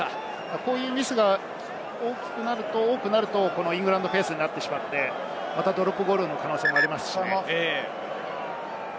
こういうのが多くなるとイングランドペースになって、またドロップゴールの可能性があります。